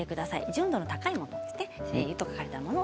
純度の高いものです。